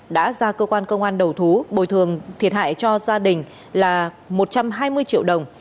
đã ra cơ quan công an đầu thú bồi thường thiệt hại cho gia đình là một trăm hai mươi triệu đồng